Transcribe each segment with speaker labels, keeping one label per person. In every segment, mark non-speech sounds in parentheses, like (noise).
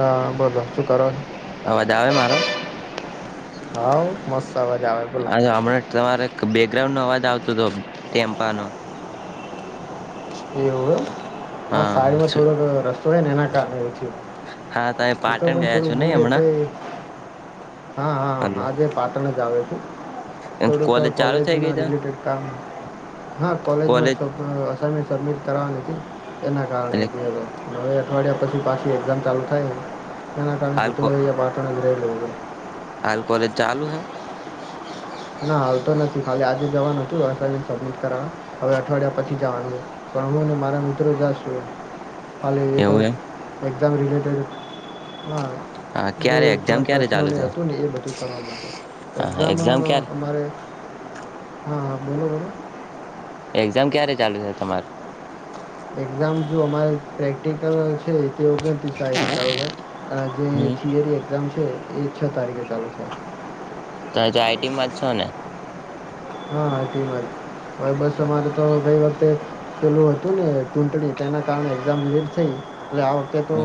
Speaker 1: હા બોલો શું કરો.
Speaker 2: અવાજ આવે મારો
Speaker 1: હા મસ્ત અવાજ આવે બોલો
Speaker 2: હ હમણાં તમારે બે ગ્રાઉન્ડ નવાજ આવતોું હતો ટેમ્પા નો.
Speaker 1: એવ હા સાઈડમાં થોડોક રસ્તો તોડ ણેનેન કા ર છે.
Speaker 2: હા તોહી પાટણ ગયા છો
Speaker 1: દૂર
Speaker 2: નહી
Speaker 1: છે તો
Speaker 2: હમણાં.
Speaker 1: એ હા હા હાજ પાટણ જાવ છે.
Speaker 2: એમ
Speaker 1: થડ
Speaker 2: ચાલુ
Speaker 1: કોલેજ
Speaker 2: થઈ ગઈ
Speaker 1: ના
Speaker 2: ત
Speaker 1: રિટેડ કામ હા કોલેજ કરાવ લથી. એના
Speaker 2: એટલે
Speaker 1: (unintelligible) કેવે હવે અઠવાડિયા પછી પાછી એક્ઝામ ચાલુ થાય. એ
Speaker 2: હાલ કો
Speaker 1: કારણે (unintelligible) પાઠ નગરેું (inaudible)
Speaker 2: હાલ કોલેજ ચાલુ હૈ.
Speaker 1: ના હાલ તો નથી ખાલી આજે જવાનું હતું સબમિટ કરવાનું હવે અઠવાડિયા પછી જવાનું પણ હું ને મારા મિત્રો જ છું. ખાલી એક
Speaker 2: એવું એમ
Speaker 1: એક તબ રલેટેેડ હ
Speaker 2: હા
Speaker 1: જે
Speaker 2: ક્યારે એક્ઝામ
Speaker 1: થોડાક
Speaker 2: ક્યારે ચાલુ
Speaker 1: પ્રશ્નોને
Speaker 2: છે
Speaker 1: હતું ને એ બધું કરવા
Speaker 2: હા
Speaker 1: એક્ઝામ
Speaker 2: ક્યારે
Speaker 1: હા બોલો બોલો.
Speaker 2: એક્ઝામ ક્યારે ચાલુ છે તમારું.
Speaker 1: એક્ઝામ જો અમારે પ્રેક્ટિકલ છે. તેઓ પણ ત સાય કે ચાલુ થાય જે
Speaker 2: હમ
Speaker 1: થિયરી એક્ઝામ્સ છે એ છ તારીખે ચાલુ છે.
Speaker 2: તમે તો આઈટીમાં જ છો ને.
Speaker 1: હા તે વાત ભય બસ અમારે તો ગઈ વત તે પેલું હતું ને ચુટણી તેના કારણે એઝામ લેટ થઈ એટલે આ વખતે તો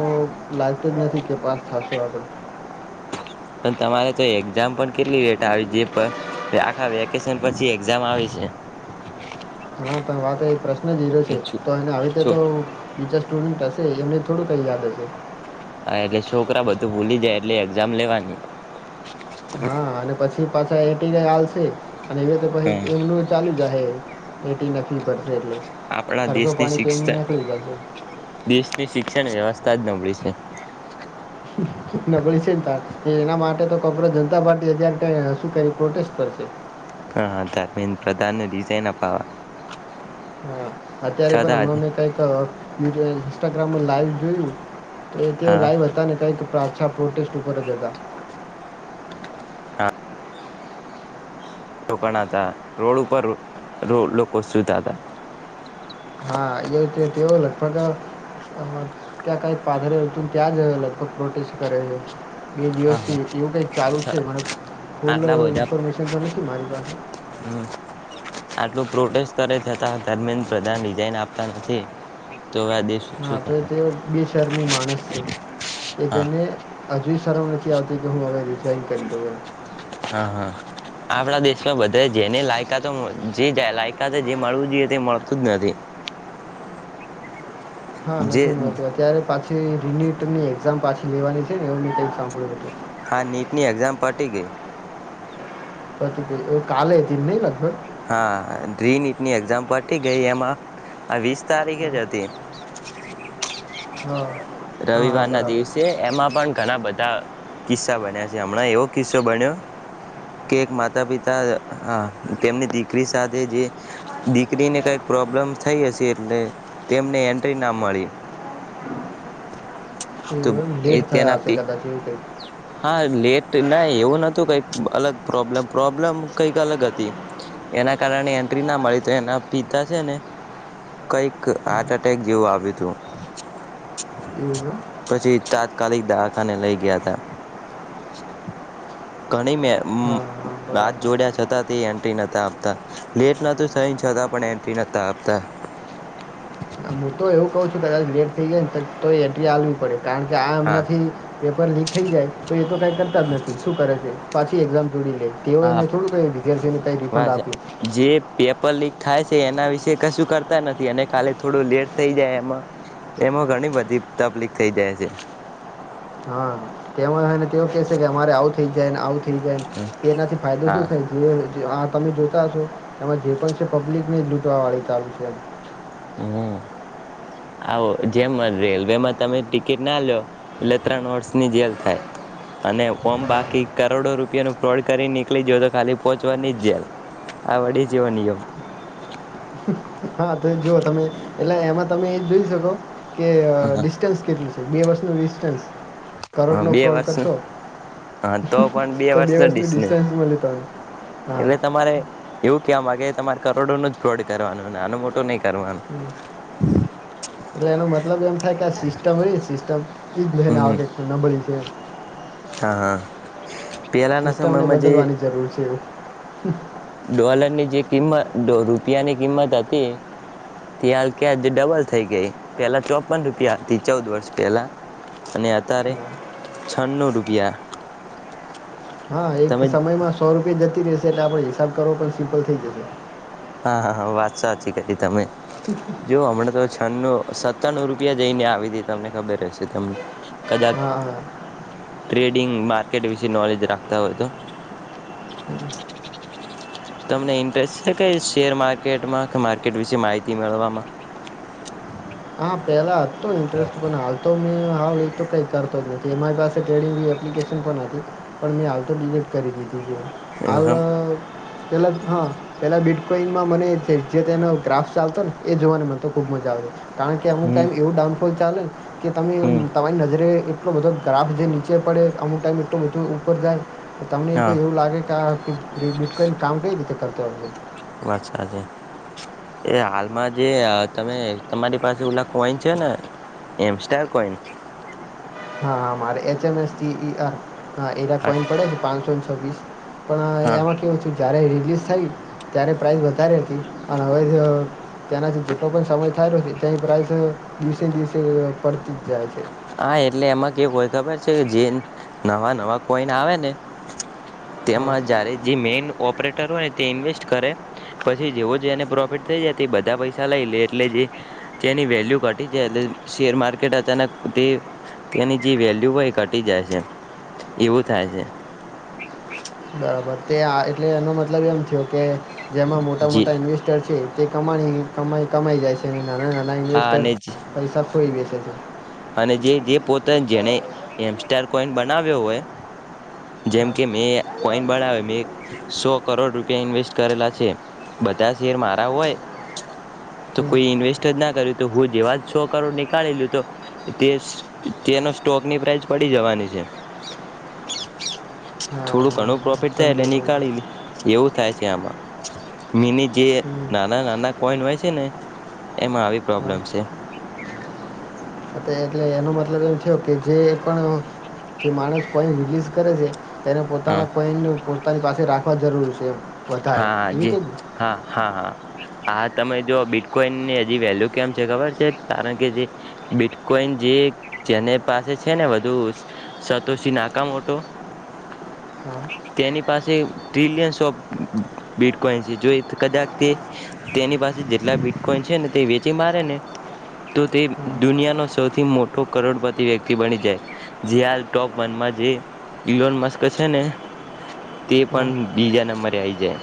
Speaker 1: લાગતું જ નથી કે પાસ થશો આપડે
Speaker 2: પણ તમારે તો એક્ઝામ પણ કેટલી વેટ આવી જે આખા વેકેશન પછી એક્ઝામ આવે છે.
Speaker 1: અમુક તમે વાત પ્રશન ઝીરો
Speaker 2: એ
Speaker 1: છે
Speaker 2: છો
Speaker 1: તો એને આવી રીતે
Speaker 2: છો
Speaker 1: તો બીચસ સ્ટુડન્ટ હશે એમને થોડું કંઈ યાદ હશે
Speaker 2: હા એટલે છોકરા બધું ભૂલી જાય એટલે એક્ઝામ લેવાની
Speaker 1: હા અને પછી છી પાછા એટી ચાલશે અને એવી રીતે પછી
Speaker 2: હા
Speaker 1: એમનું ચાલી જાહે એટી નક્કી પડશે એટલે
Speaker 2: આપણા
Speaker 1: ખર્ચો
Speaker 2: દેશની
Speaker 1: પાણી તેમનું
Speaker 2: શિક્ષણ
Speaker 1: નીકળી જશે
Speaker 2: દેશની શિક્ષણ વ્યવસ તાજ નબળી છે.
Speaker 1: નબળી છે ને તાર એના માટે તો ખબર જનતા પાર્ટી અત્યારે શું કરી પ્રોટેસ્ટ કરશે
Speaker 2: પણ ધારમીન પ્રધાનને રિઝઇન અપાવા
Speaker 1: હમ અત્યારે પણ
Speaker 2: છતાં જ
Speaker 1: હમણાંને કઈક ઇન્સ્ટાગ્રામ પર લાઈવ જોયું. તો તેઓ
Speaker 2: હા
Speaker 1: લાઈવ હતા ને કંઈક પ્રા પ્રોટેસ્ટ ઉપર જ હતા
Speaker 2: કા હતા રોડ ઉપર લોકો સુતા હતા
Speaker 1: હા એ તેવ લગભગ ત્યા કઈ પાધરેયુ હતું ને ત્યા જ લગભગ પ્રોટેસ્ટ કરે છે. બે દિવસથી એવું કઈ ચાલુ છે મને ફૂલ
Speaker 2: આટલા બધા
Speaker 1: ઇન્ફોર્મેશન તો નથી મારી પાસે
Speaker 2: આટલું પ્રોટેસ્ટ કરે છતા ધર્મેન્દ્ર પ્રધાન રિઝાઇન આપતા નથી. તો હવે આ દેશ
Speaker 1: હા
Speaker 2: શું
Speaker 1: તો
Speaker 2: થાય
Speaker 1: તે બે શરની માણસ છે એ
Speaker 2: હા
Speaker 1: જેને હજુ શરમ નથી આવતી કે હું હવે રિઝાઇન કરી દઉ એમ
Speaker 2: હા હા આપણા દેશમાં બધા જેને લાયકા તો જેય લાયકા તો જે મળવું જોઈએ તે મળતું જ નથી.
Speaker 1: હા
Speaker 2: જે
Speaker 1: નથી મળતું અત્યારે પાછી જે રિન્યુ ટર્મની એક્ઝામ પાછી લેવાની છે ને એમટેમ સાંભળ્યો હતું.
Speaker 2: હા નીટની એક્ઝામ પટી ગઈ
Speaker 1: પતી ગઈ એવું કાલ જ ને લગભગ
Speaker 2: હા ડ્રીનટની એક્ઝામ પટી ગઈ એમાં વીસ તારીખે જ હતી
Speaker 1: હા હા
Speaker 2: રવિવાર ના દિવસે
Speaker 1: બરાબર
Speaker 2: એમાં પણ ઘણા બધા કિસ્સા બન્યા છે હમણાં એવો કિસ્સો બન્યો કે એક માતા પિતા હ તેમની દીકરી સાથે જે દીકરીને કઈક પ્રોબ્લેમ થઈ હશે એટલે તેમને એન્ટ્રી ના મળી
Speaker 1: એ
Speaker 2: તો એ
Speaker 1: લેટ થયા
Speaker 2: તેના
Speaker 1: હશે
Speaker 2: પે
Speaker 1: કદાચ એ
Speaker 2: હા લેટ ના એવું નતું કઈક અલગ પ્રોબ્લમ પ્રોબ્લેમ કઈક અલગ હતી એના કારણે એન્ટ્રી ના મળી તો એના પિતા છે ને કઈક હાર્ટ એટેક જેવું આવ્યું હતું
Speaker 1: એવું એમ
Speaker 2: પછી તા કાલેદવાખાને લઈ ગયા (inaudible) ઘણી મે
Speaker 1: હા, હા,
Speaker 2: હાથ
Speaker 1: બરાબર.
Speaker 2: જોડ્યા છતાં તે તા લેટ ન થહી છતા પણ એન્ટ્રી નતા આપતા
Speaker 1: હું તો એવું કઉ છું કદાચ લેટ થઇ ગાય ને તો એટી હલવી પડે કારણ કે આ
Speaker 2: હા
Speaker 1: હમણાંથી પેપર લીક થઈ જાય તો એ તો કાંઈ કરતા જ નથી શું કરે છે પાંચી એક્ઝામ તેઓ
Speaker 2: હા
Speaker 1: એમને થોડું કઈગારને કઈ રિફંડ
Speaker 2: બસ
Speaker 1: આપ્યું
Speaker 2: જે પેપર લીક થાય છે એના વિશે કશું કરતા નથી અને ખાલી થોડું લેટ થઈ જાય એમાં એમાં ઘણી બધી તકલીફ થઈ જાય છે
Speaker 1: તેમાંય ને તેઓ કેહે છે કે અમારે આવું થઈ જાયને આવ ખીરીાય તેનાથી ફાયદો
Speaker 2: હા
Speaker 1: શું થાય જોઈ હા તમે જોતા હશો એમાં જે પણ છે પબ્લિક ને જ લૂટવા વાળી ચાલ છે
Speaker 2: હમ આવો જેમ રેલવેમાં તમે ટિકિટ ના લો્યો એટલે ત્રણ વોટસ ની જેલ થાય અનેમ બાકી કરોડો રૂપિયા ન ફ્રોડ કરી નીકળી જયો તો ખાલી પોહોચવાની જ જેલ આ વળી જેવો નિયમ
Speaker 1: હા તો જોુવ તમે એટલે એમાં તમે એ જોઈ શકો કે ડિસ્ટન્સ કેટલીું બે વરસનું ડિસ્ટન્સ
Speaker 2: હા
Speaker 1: કરોડનો
Speaker 2: બે
Speaker 1: ફ્રોડ
Speaker 2: વર્ષ
Speaker 1: કરશો
Speaker 2: હ તો પણ બે
Speaker 1: તો
Speaker 2: વર્ષ ન
Speaker 1: વર્ષનું
Speaker 2: દિશ ને
Speaker 1: ડિસ્ટન્સમાં લેતા હોય હા
Speaker 2: એટલે તમારે એવું કવા માંગે તમારે કરોડો નો જ બ્રોડ કરવાનું આનો મોટું નહીિ
Speaker 1: હ એટલે એનું મ અલગન સિસ્ટમ ર સિસ્ટમ એ બન આવ
Speaker 2: હમ
Speaker 1: નબળી છે
Speaker 2: હા (inaudible)
Speaker 1: સિસ્ટમ ને
Speaker 2: સમયમાં જે
Speaker 1: બદલવાની જરૂર છે એ. (inaudible)
Speaker 2: ડોલર ની જે કિંમત રૂપિયાની કિંમત હતી ત્યા ક્યાં ડબલ થઈ ગઈ પેલા ચોપન રૂપિયા હતી ચૌદ વર્ષ પહેલા અને અત્યારે છન્નુંુ રૂપિયા
Speaker 1: હા એક
Speaker 2: તમે
Speaker 1: સમયમાં સો રૂપિયા જતી રશે સેટ આપણે હિસાબ કરવો પણ સિમ્પલ થઈ જશે
Speaker 2: હા હા હા વાત સાચી કરીલી તમે. જો હમણાં તો ન સત્તાનુંું રૂપિયા જઈને આવી હતી તમને ખબર હશે તમને કદાચ
Speaker 1: હા હા
Speaker 2: ટ્રેડિંગમાં કેડ વિશે નોલેજ રાખતા હોય તો. તમને ઇન્ટરેસ્ટ છે ક શેર માર્કેટમાં કે માર્કેટ વિશે માહિતી મેળવામાં.
Speaker 1: હા પહેલા હતુ ઇન્ટરેસ્ટ પણ હાલ તો મેં હાલ એ તો કઈ કરતો જ નથી અમારી પાસે ટ્રેડિંગ એપ્લિકેશન પણ હતી પણ મેં હાલ તો ડિલીટ કરી દી દીધી
Speaker 2: એવું
Speaker 1: આલ
Speaker 2: એમ
Speaker 1: પેલા હા પેલા બીટ કોઈનમાં મને જે તેનો ગ્રાફસ ચાલતો ને એ જોવાને મને તો ખુબ મજા આવે. કારણ કે અમુક
Speaker 2: હમ
Speaker 1: ટાઈમ એવુ ડાઉન કોઈ ચાલે કે તમે
Speaker 2: હમ
Speaker 1: તમારી નજરે એટલો બધો ગ્રાફ જે નીચે પડે આમુ ટાઈમ એટલો બધો ઉપર જાય. તમને
Speaker 2: હા
Speaker 1: કોઈ એવું લાગે કે આ રિબુટ કઈ કાઉન્ટ કઈ રીતે કરતો હશે.
Speaker 2: બસ હાજે એ હાલમાં જે તમે તમારી પાસે ઓલા કોઈન છે ને એ સ્ટાર કોઈન
Speaker 1: હા મારે H M S E E M. હા એવા પોઈન્ટ પડે છે પાંચસો (unintelligible) પણ
Speaker 2: હા
Speaker 1: એમાં કેવું છે જ્યારે રીલીઝ થઈ ત્યારે પ્રાઇસ વધારે હતી અને હવે ત્યાંનાથી જેટલો પણ સમય થાયલો છે ત્યાં પ્રાઇસ દિવસે દિવસે પડતી જ જાય છે.
Speaker 2: હા એટલે એમાં કેવુંક હોય ખબર છે કે જે નવા નવા કોઈન આવે ને
Speaker 1: હા
Speaker 2: તેમાં જ્યારે જે મેઈન ઓપરેટર હોય ને તે ઇન્વેસ્ટ કરે પછી જેવો જેને પ્રોફિટ થઈ જાય તે બધા પૈસા લઈ લે એટલે જે તેની વેલ્યુ ઘટી જાય એટલે શેર માર્કેટ અચાનક તે તેની જે વેલ્યુ હોય ઘટી જાય છે એવું થાય છે.
Speaker 1: બરાબર તે એટલે એનો મતલબ એમ થયો કે જેમાં મોટા
Speaker 2: જી
Speaker 1: મોટા ઇન્વેસ્ટર છે. તે કમાણી કમાઈ કમાઈ જાય છે. નાના નાના
Speaker 2: હા
Speaker 1: ઇન્વેસ્ટર
Speaker 2: અને
Speaker 1: પૈસા કોઈ બેસે છે.
Speaker 2: અને જે જે પોતે જેને એમસ્ટાર કોઈન બનાવ્યો હોય. જેમ
Speaker 1: હા
Speaker 2: કે મેં કોઈન બનાવે મેં સો કરોડ રૂપિયા ઇન્વેસ્ટ કરેલા છે બધા શેર મારા હોય. તો
Speaker 1: હમ.
Speaker 2: કોઈ ઇન્વેસ્. જ ના કર્યું તો હું જેવા જ સો કરોડ નીકાળી લું તો તે તેનો સ્ટોકની પ્રાઇસ પડી જવાની છે.
Speaker 1: હા હા
Speaker 2: થોડું
Speaker 1: હા.
Speaker 2: ઘણું પ્રોફિટ થાય એટલે
Speaker 1: સમજ્યો સમજ્યો
Speaker 2: નીકાળી એવું થાય છે આમાં મિની જે
Speaker 1: હમ
Speaker 2: નાના નાના કોઈન હોય છે ને એમાં આવી
Speaker 1: હા
Speaker 2: પ્રોબ્લેમ છે.
Speaker 1: એટલે એનો મતલબ એમ છે કે જે પણ જે માણસ કોઈન રિલીઝ કરે છે. તેને
Speaker 2: હા
Speaker 1: પોતાના કોઈન તાની પાસે રાખવા જરૂર છે.
Speaker 2: હા
Speaker 1: વધારે
Speaker 2: હા
Speaker 1: એવી
Speaker 2: જે
Speaker 1: રીતે જ ને
Speaker 2: હા હા હા. હા તમે જો બીટકોઈનની હજી વેલ્યુ કેમ છે ખબર છે કારણ કે જે બીટકોઈન જે જેને પાસે છે ને વધુ સતોથી નાકા મોટો
Speaker 1: હા
Speaker 2: તેની પાસે ટિલિયન સોફ બીટકોઈન છે જો કદાક તે તેની પાસે જેટલા બીટકોઈન છે ને તે વેચી મારે ને તો તે દુનિયાનો સૌથી મોટો કરોડપતિ વ્યક્તિ બની જાય જે હાલ ટોપ વનમાં જે ઈલોન મસ્ક છે ને તે
Speaker 1: હા
Speaker 2: પણ બીજા નંબરે આવી જાય.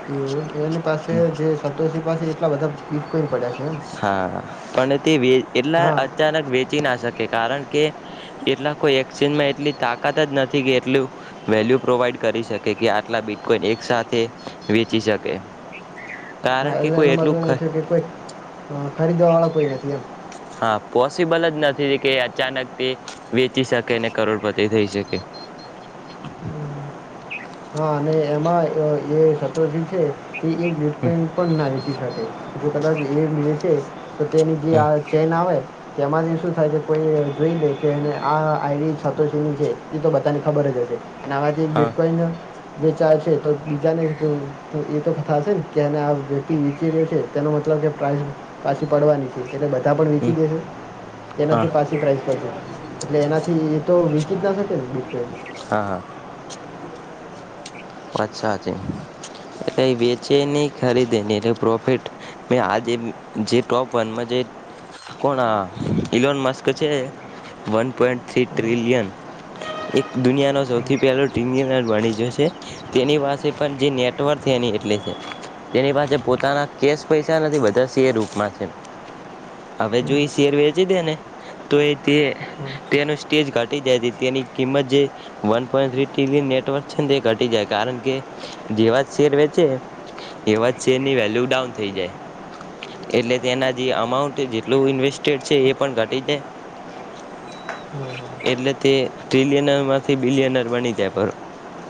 Speaker 1: હા એની પાસે જે સંતોષી પાસે (inaudible) પડ્યા છે એમ
Speaker 2: હા પણ તે એટલા
Speaker 1: હા
Speaker 2: અચાનક વેચી ના શકે કારણ કે એટલા કોઈ એક્સચેન્જમાં એટલી તાકાત જ નથી કે એટલું વેલ્યુ પ્રોવાઈડ કરી શકે કે આટલા બિટકોઈન એક સાથે વેચી શકે
Speaker 1: હા
Speaker 2: કારણ કે કોઈ
Speaker 1: એનો મતલબ
Speaker 2: એટલું
Speaker 1: એવો છે કે કોઈ હા ખરીદ વાળા કોઈ નતી એમ
Speaker 2: હા પોસિબલ જ નથી કે અચાનકથી વેચી શકે ને કરોડપતિ થઈ શકે
Speaker 1: હા અને એમાં અ એ સત્ર જીવ છે. એ એક (unintelligible) ના જો કદાચ એ વેચે તો તેની જે
Speaker 2: હા
Speaker 1: આ ચેન આવે તેમાંથી શું થાય કે કોઈ જોઈ લે કે આ આઈ સાતો છે એ તો બધાને ખબર જ હશે. નાવાથી
Speaker 2: હા
Speaker 1: બિટકોઈન બે ચાલ છે તો બીજાને એ તો થશે ને કે આ વ્યક્તિ વેચી રહ્યો છે તેનો મતલબ કે પ્રાઇસ પાછી પડવાની છે. એટને બધા પણ વેચી દેશે
Speaker 2: હા
Speaker 1: એનાથી પાછી પ્રાઇસ પર છે. એટલે એનાથી એ તો વીચી જ ન શકે બીટ કો
Speaker 2: હા હા અછા છે એટલે વેચે ની ખરીદે ની એટલે પ્રોફિટ મે આજ ટોપ વનમાં જે કોણ અ ઈલોનમસ્ક છે વન પોઈન્ટ થરી ટીલિયન એક દુનિયાનો સૌથી પેલો ટીલિયન બની ગયો છે. તેની પાસે પણ જે નેટવર્ક એની એટલી છે તેની પાસે પોતાના કેશ પૈસા નથી બધા શેર રૂપમાં છે હવે જો એ શેર વેચી દે ને તો એ તેનો સ્ટેજ ઘટી જાય તેની કિંમત જે વન પોઈ થીરી ટીરીયન નેટવર્ક છે ને તે કારણ કે જેવા જ શેર વેચે એવા જ શેરની વેલ્યુ ડાઉન થઈ જાય એટલે તેના જે અમાઉન્ટ જેટલું ઇન્વેસ્ટેડ છે એ પણ ઘટી જાય એટલે તે ટ્રીલિયનરમાંથી બિલિયનર બની જાય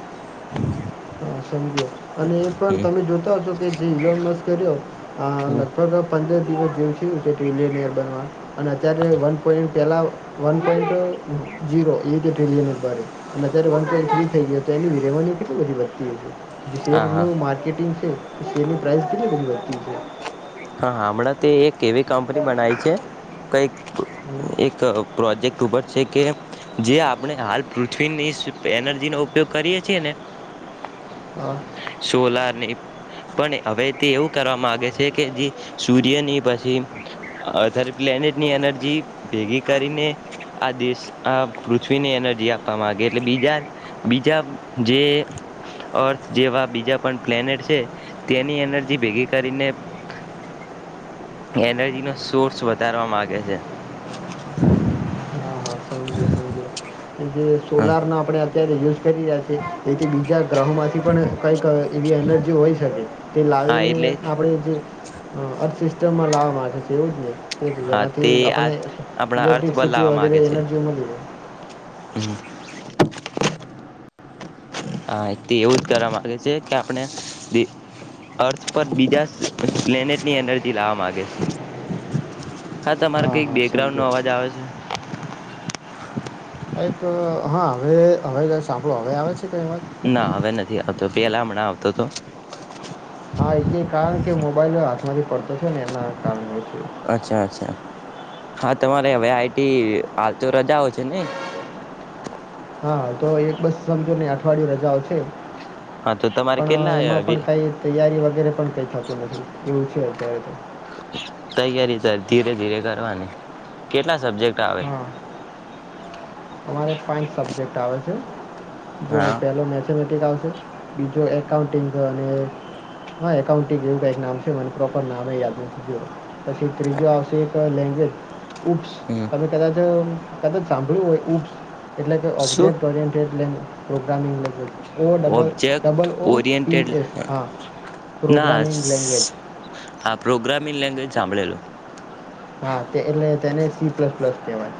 Speaker 2: (inaudible)
Speaker 1: હા સમજયો અને એ પણ તમે
Speaker 2: હમ
Speaker 1: જોતા હશો કે જે ઈલોન મસ્ક કર્યો હ લગભગ પંદર (unintelligible) ટ્રીલિયનેર બનવા અને અત્યારે વન પોઈન્ટ પહેલાં one point zero eight trillion ભાડે અને અત્યારે વન પોઈન્ટ થ્રી થઈ ગયો તો એની રેવન્યુ કેટલી બધી (inaudible) જે શેર
Speaker 2: હા હા
Speaker 1: નું માર્કેટિંગ છે. શેરની પ્રાઇસ કેટલી બધી વધતી છે.
Speaker 2: હા હમણાં તે એક એવી કંપની બનાવી છે કઈક
Speaker 1: હમ
Speaker 2: એક પ્રોજેક્ટ ઉપર છે કે જે આપણે હાલ પૃથ્વીની એનર્જી નો ઉપયોગ કરીએ છીએ ને
Speaker 1: હ
Speaker 2: ને પણ હવે તે એવું કરવા માંગે છે. કે જે સૂર્યની પછી અધર પ્લેનેટની એનર્જી ભેગી કરીને આ દેશ આ પૃથ્વીની એનર્જી આપવા માંગે એટલે બીજા બીજા જે અર્થ જેવા બીજા પણ પ્લેનેટ છે તેની એનર્જી ભેગી કરીને એનર્જી નો સોર્સ વધારવા માગે છે
Speaker 1: હા હા સમજ્યો
Speaker 2: (inaudible)
Speaker 1: સમજ્યો જે સોલાર નો આપણેે અત્યારે યુ કરી રહ્યા છે જેથી બીજા ગ્રહોમાંથી પણ કંઈક એવી એનર્જી હોઈ શકે તે
Speaker 2: હા
Speaker 1: લાવીને
Speaker 2: એટલે
Speaker 1: આપણે જે અર્થ સિસ્ટમમાં લાવ મા જે એવું જ નઈ તે
Speaker 2: હા
Speaker 1: જીનાથી
Speaker 2: આ
Speaker 1: આપણે
Speaker 2: આપણા અર્થ પર
Speaker 1: ઇલેક્ટ્રસિટી
Speaker 2: લાવવા
Speaker 1: વગેરે
Speaker 2: માંગે છે
Speaker 1: એનર્જી મળી રહે
Speaker 2: હમ હા તે એવું જ કરવા માગે છે કે આપણે અર્થ પર બીજા પ્લેનેટની એનર્જી લાવવા માગે છે હા તમારે કઈક
Speaker 1: હા
Speaker 2: બેકગ્રાઉન્ડ નો અવાજ
Speaker 1: સમજ્યો
Speaker 2: આવે છે
Speaker 1: એક હા હવે હવે સાંભળો હવે આવે છે કઈ વાત
Speaker 2: ના હવે નથી આવત તો પેલા હમણાં આવતો હતો
Speaker 1: હા એ કારણ કે મોબાઈલ માંથી પડતો છે ને એના કારણે જ
Speaker 2: અચ્છા અચ્છા હા તમારે હવે આઈટી હાલતો રજાઓ છે ને
Speaker 1: હા તો એક બસ સમજો ને અઠવાડિયું રજા આવશે
Speaker 2: હા તો તમારે
Speaker 1: પણ
Speaker 2: કેટલા
Speaker 1: એમાં પણ કઈ તૈયારી વગ વગેરે પણ કઈ થતું નથી એવું છે અત્યારે તો
Speaker 2: તૈયારી ત ધીરે ધીરે કરવાની કેટલા સબજેક્ટ આવે
Speaker 1: મારે સાઇન્સ સબ્જેક્ટ આવે છે જો
Speaker 2: હા
Speaker 1: પહેલો મેચ આવ બીજો એકાઉન્ટિંગ અને હા એકાઉન્ટિંગ એવું કઈક નામ છે મને પ્રોપર નામે યાદ નથી જોું પછી ત્રીજો આવશે એક લેંગ્વેજ.
Speaker 2: હમ
Speaker 1: (unintelligible) કદાચ સાંભળ્યું હોય. એટલે કે
Speaker 2: શું
Speaker 1: ઓબ્જેકટ (unintelligible) પ્રોગ્રામિંગ (unintelligible) ઓ double
Speaker 2: object
Speaker 1: double O P
Speaker 2: oriented
Speaker 1: S હા
Speaker 2: ના
Speaker 1: પ્રોગ્રામિંગ લેંગ્વેજ
Speaker 2: આ પ્રોગ્રામિંગ લેંગ્વેજ સાંભળેલું.
Speaker 1: હા એટલે તેને સી પ્લસ પ્લસ કેવાય.